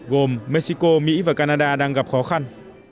gồm mexico mỹ và canada đang gặp khó khăn